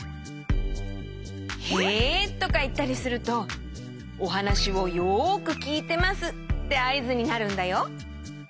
「へ」とかいったりするとおはなしをよくきいてますってあいずになるんだよ。